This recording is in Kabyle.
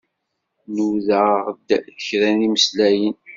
Nudaɣ-d kra imslayen.